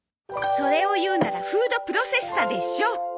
それを言うならフードプロセッサーでしょ。